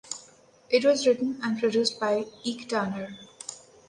It was written and produced by Ike Turner.